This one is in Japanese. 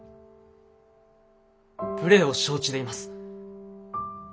無礼を承知で言います。